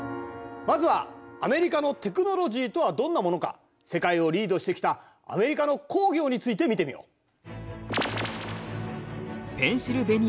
まずはアメリカのテクノロジーとはどんなものか世界をリードしてきたアメリカの工業について見てみよう。